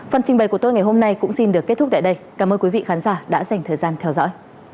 phần trình bày của tôi ngày hôm nay cũng xin được kết thúc tại đây cảm ơn quý vị khán giả đã dành thời gian theo dõi